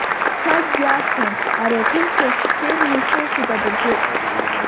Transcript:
Ԥшакгьы асуам, ари аҭынчра ссирны исылсит абыржәык.